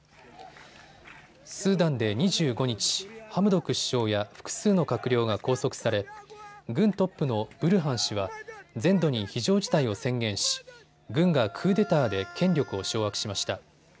スーダンで２５日、ハムドク首相や複数の閣僚が拘束され軍トップのブルハン氏は全土に非常事態を宣言し軍がクーデターで権力を掌握しました。